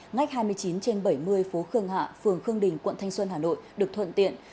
ngách hai mươi chín trên bảy mươi phố khương hạ phường khương đình quận thanh xuân hà nội được thuận tiện